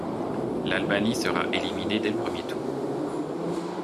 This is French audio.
L'Albanie sera éliminée dès le premier tour.